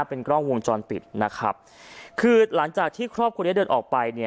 เป็นกล้องวงจรปิดนะครับคือหลังจากที่ครอบครัวนี้เดินออกไปเนี่ย